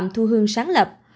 thư hương sáng lập